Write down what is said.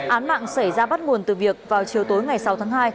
án mạng xảy ra bắt nguồn từ việc vào chiều tối ngày sáu tháng hai